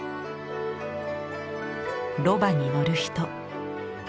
ロバに乗る人。